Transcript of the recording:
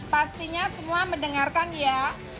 pastinya semua mendengarkan ya